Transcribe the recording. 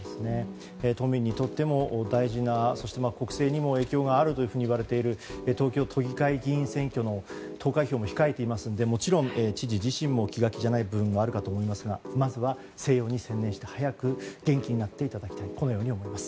都民にとっても大事なそして国政にも影響があるというふうに言われている東京都議会議員選挙の投開票も控えておりますのでもちろん、知事自身も気が気じゃない部分もあるかと思いますがまずは、静養に専念して早く元気になってもらいたいとこのように思います。